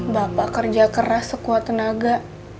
bapak kerja keras sekuat tenaga